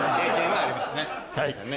はい。